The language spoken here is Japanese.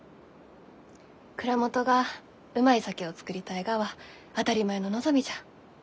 蔵元がうまい酒を造りたいがは当たり前の望みじゃ。